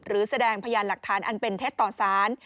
แสดงพยานหลักฐานอันเป็นเท็จต่อสาร